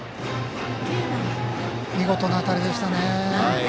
見事な当たりでしたね。